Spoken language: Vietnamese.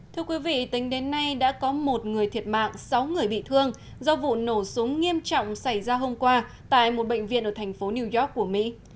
thưa quý vị tính đến nay đã có một người thiệt mạng sáu người bị thương do vụ nổ súng nghiêm trọng xảy ra hôm qua tại một bệnh viện ở thành phố new york của mỹ